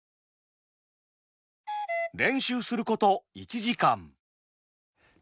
練習すること１時間。